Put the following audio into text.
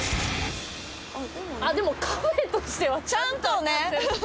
あっでもカフェとしてはちゃんとなってる。